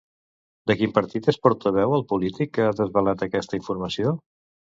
De quin partit és portaveu el polític que ha desvelat aquesta informació?